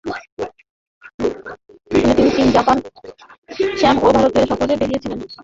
এক্ষণে তিনি চীন, জাপান, শ্যাম ও ভারত সফরে বাহির হইতেছেন।